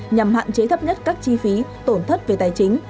nhằm hạn chế thấp nhất các chi phí tổn thất về tài chính